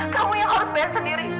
kamu yang harus bayar sendiri